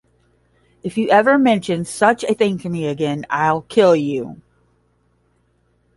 If you ever mention such a thing to me again, I'll kill you.